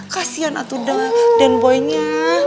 kasian atuda den boy nya